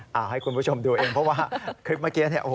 ให้คุณผู้ชมดูเองเพราะว่าคลิปเมื่อกี้